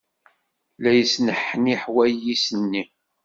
La yesneḥniḥ wayis-nni.